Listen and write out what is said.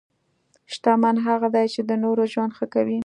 شتمن هغه دی چې د نورو ژوند ښه کوي.